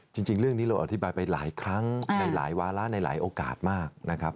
จริงเรื่องนี้เราอธิบายไปหลายครั้งในหลายวาระในหลายโอกาสมากนะครับ